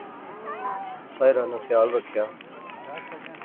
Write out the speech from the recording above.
ساحرہ ناں خیال رکھیا